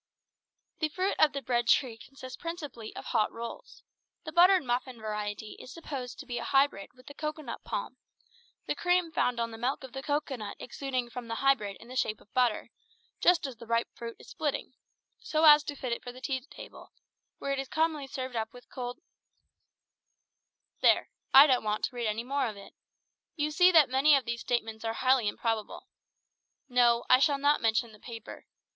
"The fruit of the bread tree consists principally of hot rolls. The buttered muffin variety is supposed to be a hybrid with the cocoanut palm, the cream found on the milk of the cocoanut exuding from the hybrid in the shape of butter, just as the ripe fruit is splitting, so as to fit it for the tea table, where it is commonly served up with cold " There I don't want to read any more of it. You see that many of these statements are highly improbable. No, I shall not mention the paper.